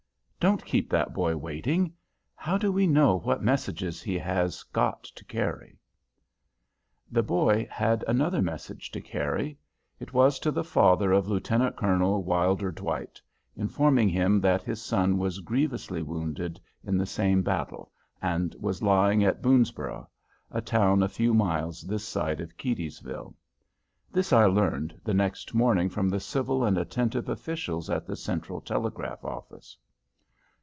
Don't keep that boy waiting, how do we know what messages he has got to carry? The boy had another message to carry. It was to the father of Lieutenant Colonel Wilder Dwight, informing him that his son was grievously wounded in the same battle, and was lying at Boonsborough, a town a few miles this side of Keedysville. This I learned the next morning from the civil and attentive officials at the Central Telegraph Office.